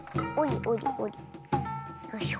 よいしょ。